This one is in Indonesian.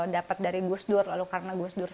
dapat dari gus dur lalu karena gus dur